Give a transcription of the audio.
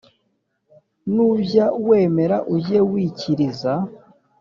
Nujya wemera ujye wikiriza